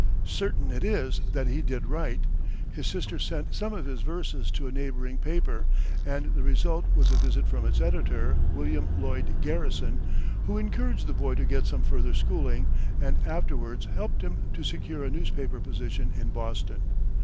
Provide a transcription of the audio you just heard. Certain it is that he did write; his sister sent some of his verses to a neighboring paper, and the result was a visit from its editor, William Lloyd Garrison, who encouraged the boy to get some further schooling, and afterwards helped him to secure a newspaper position in Boston.